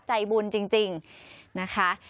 ใจบุญจริงนะคะ